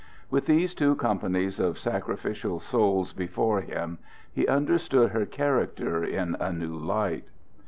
With these two companies of sacrificial souls before him he understood her character in a new light.